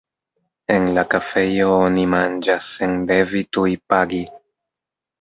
En la kafejo oni manĝas sen devi tuj pagi.